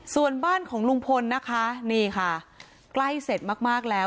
ส่วนบ้านของลุงพลนะคะนี่ค่ะใกล้เสร็จมากแล้ว